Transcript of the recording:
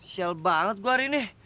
shell banget gue hari ini